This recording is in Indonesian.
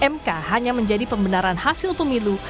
mk hanya menjadi pembenaran hasil pemilu